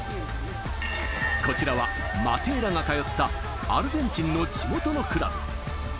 こちらはマテーラが通ったアルゼンチンの地元のクラブ。